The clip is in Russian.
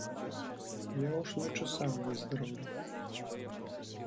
Я уж лучше сам выздоровлю.